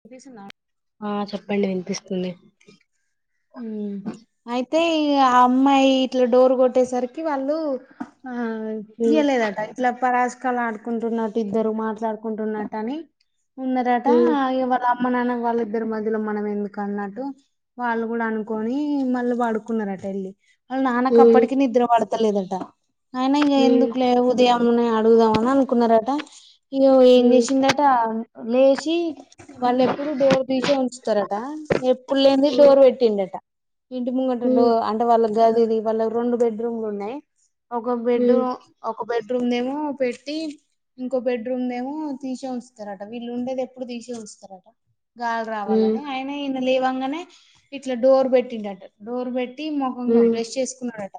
వినిపిస్తుందా ఆ చెప్పండి వినిపిస్తుంది హమ్ అయితే ఇగ అమ్మాయి ఇట్ల డోర్ కొట్టేసరికి వాళ్ళు ఆ మ్మ్ తీయలేదట ఇట్ల ప పక్కలా ఆడుకుంటున్నట్టు ఇద్దరు మాట్లాడుకుంటున్నట్టు అని ఉన్నారట మ్మ్ ఎవరు మా నాన్న వాళ్ళిద్దరి మధ్యలో మనం ఎందుకు అన్నట్టు వాళ్ళు కూడా అనుకొని మళ్ళీ పడుకున్నారట వెళ్ళి వాళ్ళ నాన్నక మ్మ్ అప్పటికి నిద్ర వాడుతారు తేలిదట అయిన ఇక ఎందుకు లే ఉదయమనే అడుగుదాం అని అనుకున్నార ఇ ఏం మ్మ్ చేసిందట లేచీ వాళ్ళు ఎప్పుడు డోర్ తీచే ఉంచుతారట ఎప్పుడు లేని డోర్ పెట్ తండట ఇంటి ముంగంటడు మ్మ్ అంటే వాళ్ళ అది ఇది వాళ్ళ రెండు బెడ్రూమ్లు ఉన్నాయి ఒక బెడ్ మ్మ్ మ్మ్ ఒక బెడ్ బ రూమ్ ఏమో పెట్టి ఇంకో బెడ్రూమ్ ద ఏమో తీసే వుస్తరట వీళ్ళు ఉండేది ఎప్పుడు తీసే వస్తరట గాలి రావాలని ఆయన ఈయన లేవ మ ఇట్ల డోర్ పెట్టిండు అట డోర్ బెట్టి టి మ్మ్ ముఖంగా మ్మ్ మ్మ్ మ్మ్ మ్మ్ బ్రష్ చేసుకున్నాడట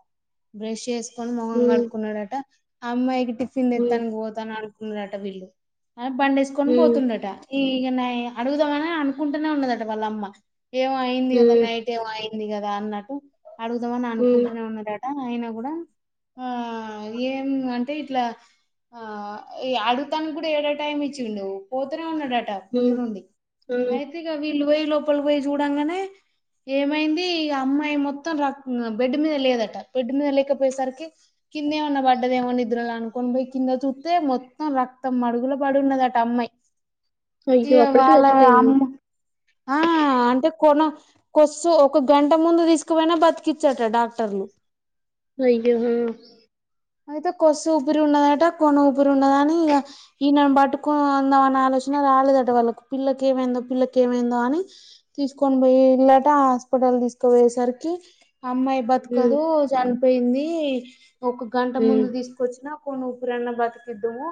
బ్రష్ చేసుకొని ముఖం కడుక్కున్నాడట అమ్మాయి టిఫిన్ తెత్తానికి పోతున్నాడు నట విళ్ళు బండి వేసుకొని మ్మ్ పోతుండట ఇక న అడుగుదామని అనుకుంటూనే ఉన్నదట వాళ్ళ అమ్మ ఏమ ఇంకా లైట్ వే వాయ్ ఉంది కదా అన్నట్టు అడుదామని అనుకుంటూనే ఉన్నా ఆయన కూడా ఆ ఏం అంటే ఇట్లా ఆ అడుగుతానికి కూడా ఏడో టైం ఇచ్చిండు పోతూనే ఉన్నాడు ముందు మ్మ్ మ్మ్ మ్మ్ నుండి అయితే ఇక వీళ్ళు పోయే లోప్ ళ పోయి చూడంగానే ఏమైంది అమ్మాయి మొత్తం రక్ బెడ్డు మీద లేదట బెడ్ మీద లేకపోయేసరికి కిందేమన్నా పడ్డదేమన్నా నిద్రోలో అనుకొని పోయి కింద చూస్తే మొత్తం రక్తం మడుగుల పడి ఉన్నదట అమ్మాయి ఇ అయ్యో అప్పటికే వాళ్ళ చచ్చిపోయింది అమ్మ ఆ అంటే కొనా సో ఒక గంట ముందు తీసుకుపోయినా బతికిచ్చట డాక్టర్ లు అయ్యో హ్మ అయితే కొస ఊపిరి ఉండదట కొన ఊపిరి ఉండద అని ఈయనను పట్టుకుందాం అన్న ఆలోచన రాలేదట వాళ్ళకి పిల్లకి ఏమైందో పిల్లకి ఏమైందో అని తీసుకొని పోయి ఇల్ళట హాస్పిటల్ తీసుకుపోయేసరికి అమ్మాయి మ్మ్ బతకదు జన్ పోయింది ఒక గంట మ్మ్ ముందు తీసుకొచ్చినా క ఉఊపరన్న బతుకిద్ధి ఏమో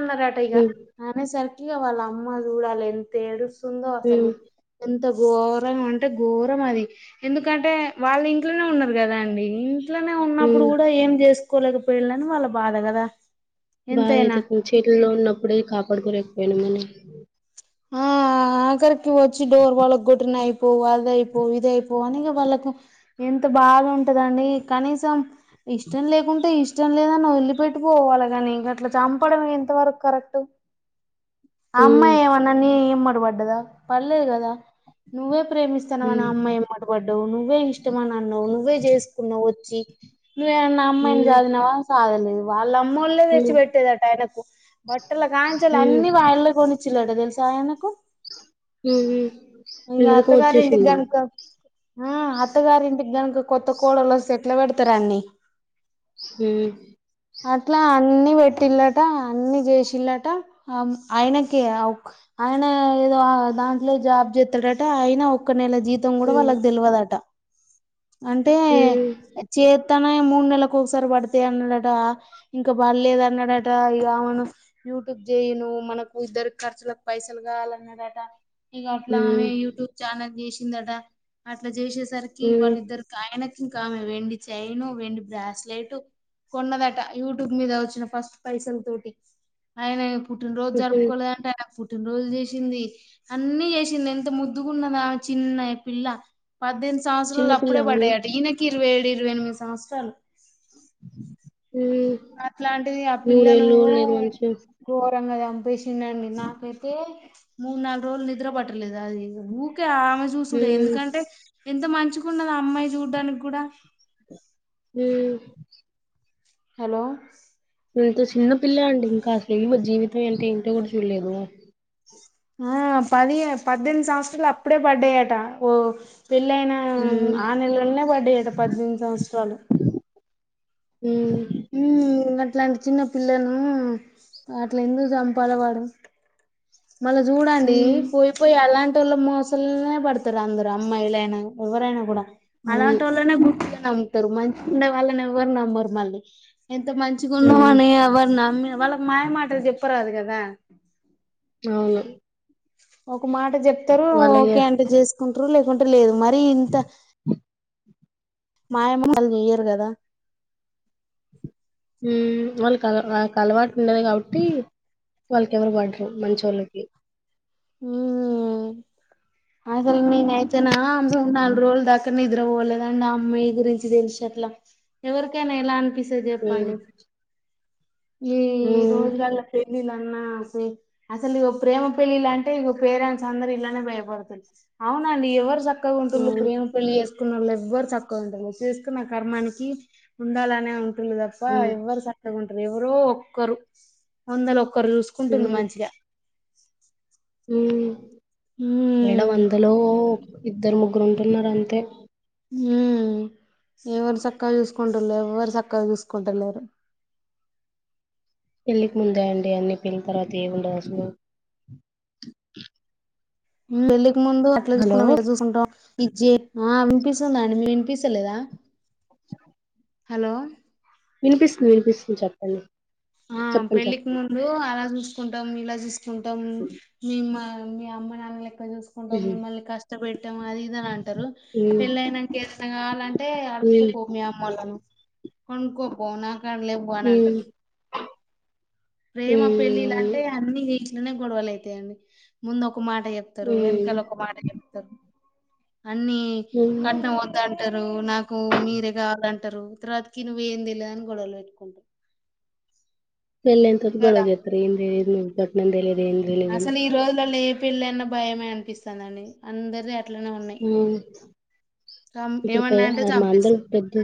మ్న్నారాట ఇక మ్మ్ మనేసార్ ఇగా వాళ్ళ అమ్మ చూడాలి ఎంత ఏడు స్తోంది అసలు మ్మ్ అంత ఘోరం అంటే ఘోరం అది ఎందుకంటే వాళ్ళు ఇంట్లోనే ఉన్నారు కదా అండి ఇట్లనే ఉన్నప్పుడు మ్మ్ కూడా ఏం చేస్త కూలేకి పోయింది వాళ బాధ కదా బాధ ఎంతైనా అయితది చెట్ల్లో ఉన్నప్పుడే కాపాడుకాలేకపోయినామ్ మని ఆ ఆకర్కి వచ్చి డోర్ వాళ్ళకు కొట్టినయి పో అదయిపో ఇదయిపో అనే వాళ్ళకు ఎంత బాధ ఉంటదండి కనీసం ఇష్టం లేకుంటే ఇష్టం లేదని వెళ్లి పెట్టి పోవాలి కానీంక అట్లా చంపడం ఎంత వరకు కరెక్ట్ ఆ మ్మ్ అమ్మాయి ఏం అన్న ఏం మడిపడ్డదా పడలేదు కదా నువ్వే ప్రేమిస్తాన్నావు అని మ్మ్ అమ్మాయి మాట పడ్డావు నువ్వే ఇష్టమని అన్నావు నువ్వే చేసుకున్నావవు వచ్చి ేర నా అమ్మైన మ్మ్ సాధీనావా సాధలేదు వాళ్ళం మా అమ్మోల్లే తెచ్చి మ్మ్ పెట్టేదట ఆయనకు బట్టల కాంచలు మ్మ్ అన్నీ వాయల్లో కొనిచ్చలట తెలు ఆయనకు ఉహూ ఇంగా అత్తగారి ఇంటికి గనక ఆ అత్తగారి ఇంటికి గనక కొత్త కోడలు వస్తే ఎట్లా పెడతారు అన్నీ సే అట్లా అన్ని పెట్టిల్లట అన్ని చేసిల్లట అం ఆయనకి ఒక్ ఆయన ఏదో దాంట్లో జాబ్ చె త్డ ఆయన ఒక్క నెల జీతం కూడా మ్మ్ వాళ్ళకి తెలివదట అంటే మ్మ్ చే తన మూడు నెలలకు ఒకసారి పడతాయి అన్నాడట ఇంకా పడలేదు అన్నాడట ఇగ మన యూట్యూబ్ చేయను మనకు ఇద్దరు ఖర్చులకు పైసలు కావాలన్నాడట ఇంగ ఇలా హ్మ్ ఆమె యూట్యూబ్ చానల్ చేసి ిందట అట్లా చేసే సరికి వాళ్ళిద్దరికి హ్మ్ వాళ్లిదరితో ఆయనే ఇంకా ఆమె వెండి చైను వెండి బ్రాస్లెట్ కొన్నదట యూట్యూబ్ మీద వచ్చిన ఫస్ట్ పైసల్ తోటి ఆయన పుట్టినరోజు హుహు. జరుపుకోలేదంటా పుట్టినరోజులు చేసింది అన్ని చేసి చిన్న ఎంత ముద్దుగున్నదా చిన్న పిల్ల పద్దెనిమిది సంవత్సరాలు చిన్నపిల్ల అప్పుడే అవును. పడ్డాయట ఈయనకి ఇరవై ఏడు ఇరవై ఎనిమిది సంవత్సరాలు హ్మ్. అట్లాంటిది ఆ పిల్లను నూరేళ్ళు గూడా లేదు మంచిగా. ఘోరం కదా చిన్నోడిని నాకైతే మూడ్ నాలుగు రోజులు నిద్ర పట్టలేదు అది ఊక ఆమె చూసుడే హ్మ్. ఎందుకంటే ఎంత మంచికున్న అమ్మాయి చూడ్డానికి కూడా ఉమ్ హలో ఇంత చిన్న పిల్ల అండి ఇంకా అసలు ఇంకా జీవితం అంటే ఏంటో కూడా చూడలేదు ఆ పది పద్దెనిమి సంవత్సరాలు అప్పుడే పడ్డయటా ఓ పెళ్ళయిన హ్మ్. ఆ నెలలోనే పడ్డాయట పద్దెనిమిది సంవత్సరాలు చాలు హ్మ్. ఊ అట్లాంటి చిన్న పిల్లను అట్లా ఎందుకు చంపాల వాడు మళ్ళా చూడండి హ్మ్. పోయిపోయి అలాంటి మోస పడుత ఇ అందరు అమ్మయిలేన ఎవరైన కూడ అవును. అలాంటోలనే నమ్ముతరు మంచిగున్న వాళ్ళని ఎవ్వరు నమ్మరు మళ్ళీ ఎంత మంచిగ ఉన్నావ హ్మ్. అని ఎవరి నమ్మి వాళ్ళకి మాయమాటలు చెప్పరాదు కద అవును ఒక మాట చెప్ తరు వాళ్ళకి ఒకే అంటే చేస్త కుంటరు లేకుంటే లేదు మరి ఇంత మాయమహల్ జెయ్యరు కద వాళ్ళకిల అలవాటు ఉండేది కాబట్టి వాళ్ళకి ఎవరు పడరు మంచివాళ్ళకి హమ్ అసలు నేనైతే నా అమ్మాయి నాలుగు రోజుల దాకానే నిద్ర పోలేదండి ఆ అమ్మాయి గురించి తెలిసి అట్లా ఎవరికైనా ఎలా అనిపిస్తు హ్మ్. జెప్పండి ఈ హ్మ్. రోజుగార్ల పెళ్లిలా అసలు ప్రేమపెళ్లి లాంటి పేరెంట్స్ అందరు ఇలానే భయపడుతుంది అవునండి ఎవరు సక్క ఉంటుది అవును. ప్రేమ పెళ్లిస్త కున్న వాళ్ ఎవ్వరు చక్కవ ఉంటారు చేసుకున్న కర్మానికి ఉండాలనే ఉ దప్పా హ్మ్. ఎవ్వరు సక్కకొంట అర ఎవరో ఒక్కరు వందలో ఒ ఒకరు చూసుకుంటుళు మంచిగ హమ్ ఇడ హ్మ్ వందలో ఇద్దరు ముగ్గురు ఉంటున్నారు అంతే హమ్ ఎవరు చక్కగ చూసుకుంటుళ్లేరు ఎవరు చక్కగా చూసుకుంట లేరు పెళ్ళికి ముందే అండి అన్ని పెళ్లి తర్వాత ఏమి ఉండవ్ అసలు మ్మ్ పెళ్ళి ఇ ముందు అట్లా హలో చూసుకుంటాం ఇట్ట చూసుకుంటాం ఇజే ఆ వినిపిస్తుది అండి మీ వినిపిస్తలేదా హాలో వినిపిస్తుంది వినిపిస్తుంది చెప్పండి ఆ చెప్పండి పెళ్లికి చెప్పండి ముందు ఆలోచిస్ కుంటాం ఇలా చుస్ కుంటం మేం మా మీ అమ్మానాన్నలే ఇట్లా చూసుకుంటం ఉమ్, మిమ్మల్ని కష్టపెట్టం అది ఇది అని అంటరు ఉమ్, పెళ్లి ఐనంక ఎమైనా కావాలి అని అంటే అడుక్కో పో మీ అమ్మఒళ్లను కొనుకోపొనా దాంట్లేకి పాన్ ఉమ్, ఉమ్, ఏంటది ప్రేమ పెళ్ళి ఉమ్, అంటే అన్ని ఇట్లనే గొడవలు అయిథాయ్ ముందు ఒక ఒక మాట చెప్తరు ఉమ్, వెనుకల ఒక మాట చెప్తరు అన్ని ఉమ్. కట్నం వద్ద అంటరు నాకు మీరే కావాలంట అంటరు తర్వాతకి నువ్వు తేలేదని గొడవలు పెట్టుకుంటరు పెళ్లి అయిన తర్వాతకి గొడవ చేతరు ఎం చెయ్యను నేను ఘట్న తెలియ అసని ఈ రోజల లో పెళ్లి అన్న భయమే అనిపిస్తాన్డి అందరి ఆ చం ఇప్పుడు పె ఏమన్నా అంటే మాందర చంపేస్తారు. పెద్ద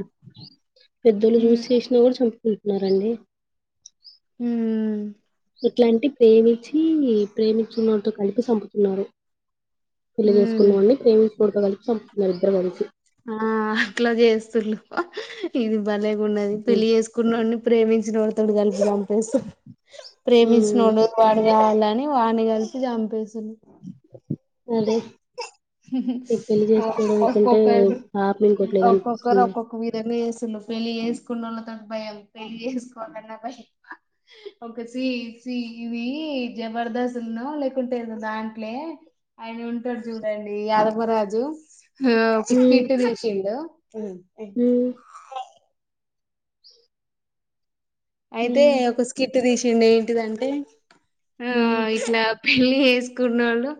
పెద్దోళ్ళు చూసి హ్మ్. చేసినా కూడా చంపుతర న్నారంండి హ్మ్ ఇట్లాంటి ప్రేమిించి ప్రేమిస్తున్నతో కలిపి చంపుతున్నారు ఫిల్లి హ్మ్. చేసుకున్నావాండి ప్రేమి చూడకోగలి నిరిద్ర మనిషి ఆ అట్లా చేస్తులుు ఇది బాలేకున్నది ఉమ్, పెళ్ళలి చేసుకున్నడి ప్రేమించిన వాతడు కనిపిం ప్రేమించ ఉమ్, నోడు బాగా అని వాడిని కలిసి చంపేస్త ధన్వా అదే మీ పెళ్లిి చేసుకోవడంకంటే ఒక్కొక్కరిది బాప మీనుకోట్లేదు అనిపిస్తుంది అలు పెళ్ళి చేసుకున్న వాళ్ళతో భయం పెళ్ళి చేసుకోవాలన్నా భయం ఒక స ఇది జబర్దస్తున్న లేకుంటే దాంట్లే ఆయన ఉంటాడు చూడండి యాదవరాజు ఆ హ్మ్ కుతిీట్ దషిండ ఆ హ్మ్ అయితే హ్మ్ ఒక స్కిట్ తీసి నిన్న ఏంటిదంటే ఆ హ్మ్ ఇట్లా పెళ్లి తీసుకున్నోళ్లు,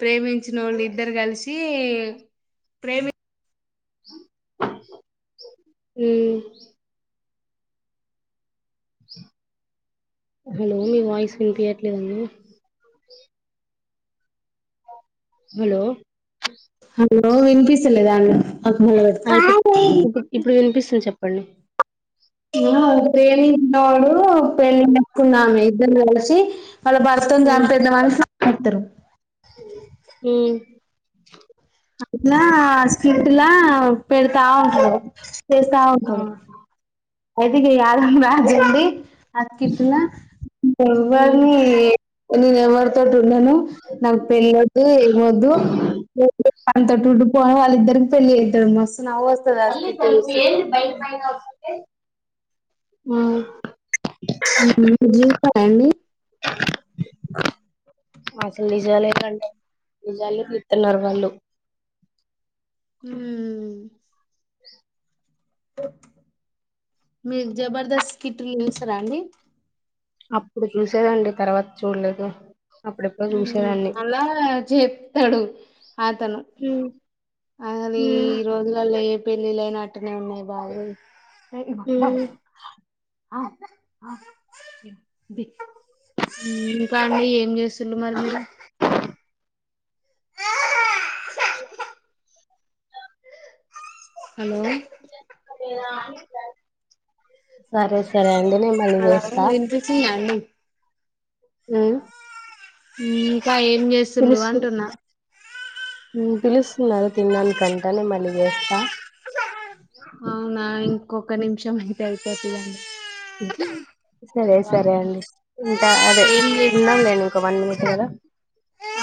ప్రేమించినోళ్లు ఇద్దరు కలిసి ప్రేమి హ్మ్మ్ హలో మీ వాయిస్ వినిపియట్లేదండి హలో హలో వినిపిస్తలేదా అండి నాకు మళ్ళ పెట్టు ఆ ఇప్పుడు ఇప్పు ఇప్పుడు వినిపిస్తుంది చెప్పండి ప్రేమిత్తే నిన్ను పెళ్ళికొచ్చినామి ఇద్దరం కలిసి వాళ్ల భర్తని హ్మ్ చంపేద్దామని చూ వొత్తరు హ్మ్ అట్లా స్క్రిప్ట్లా పెడతా ఉంటది తెస్తా ఆ ఆగు అయితే ఈయాల అత్తింటిల హ్మ్ హ్మ్ నేను ఎవర్తో ను నాకు పెళ్లొద్దు, ఏమొద్దు అంతెత్తుండు పొరగాళ్లిద్దరికీ పెళ్లి చేస్తే మస్తు నవ్వొస్తది వాని స్కిట్ చూస్తే ఆ మీరు చూసారా అండి అసలు నిజాలేంటంటే నిజాలే తీత్తున్నారు వాళ్ళు హ్మ్మ్ మీరు జబర్దస్త్ కిట్లు చూస్తారా అండి అప్పుడు చూసేదండి తర్వాత చూడలేదు అప్పుడెప్పుడో చూసేదాన్ని అలా చెప్తాడు అతను హ్మ్ అని హ్మ్ ఈ రోజులలో పెళ్ళిళ్ళైన అట్టనే ఉన్నాయి బాగలేదు హ్మ్ ఇంకా అండి ఏం చేసు మరి మీరు హలో సరే సరే అండి నే మళ్ళీ హలో చేస్తా వినిపిస్తుందా అండి ఉ ఉ ఇంగ ఏం చేస్తులుు అంటున్నా ఉ పిలుస్తున్నారు తినడానికంట నేన్ మళ్ళీ చేస్తా అవునా ఇంకోక నిం శాం ఉంటే ఇపోద్ది కదండీ సరే సరే అండి ఉంట అదే ఏం ఉందాంలేండి ఇంక వన్ మినిట్ చేస్ కదా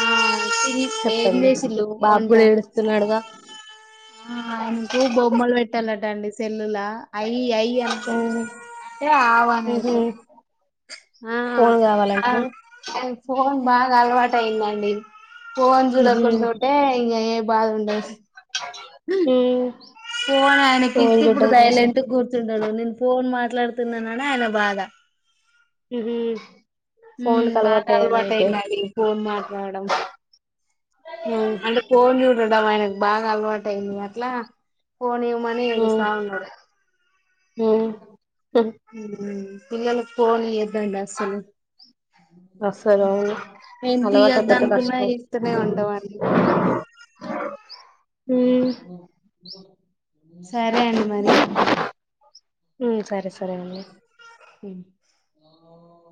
ఆ తిని ఏం చెప్పండి చేసిల్లు బాబు వంట గూడ ఏడుస్తున్నాడుగా ఆ ఆయనకు బొమ్మలు పెట్టాళ్లంట అండి సెల్లులా ఐ ఐ అంటే ఆవు అని ఉహు అర్థం ఆ ఫోన్ కావాలంటనా అం [unintelligible] బాగా అలవాటు అయిందిఆండీ ఫోన్ ఉహు చూడకుండ ఉంటే ఇంకా ఏ బాధ ఉండదు హామ్ ఫోన్ ఆయనకి ఇస్తే ఇబ్బుడు సైలెంట్ గా కూర్చుంటాడు నేన్ ఫోన్ మా మాట్లాడుతున్నాననే ఆయన బాధ హుహు హు బాగా అలవాటు అయ్యిదండి ఫోన్ మాట్లాడం ఉ అంటే ఫోన్ చూడం ఆయనకు బాగా అలవాటయింది అట్లా ఫోన్ ఇవ్వమని ఏడుస్తన్నాడు హ [inaudible] హ [inaudible] పిల్లలకు ఫోన్ ఇయ్య అస్సలు అవును ఎంత అలవాటు ఇయద్ అయిపోతే అనుకున్నా కష్టం ఇస్తనే ఉంటామండీ ఉ [inaudible] ఓ [inaudible] సరే అండి మరి. ఉమ్ సరే సరే అండి ఉం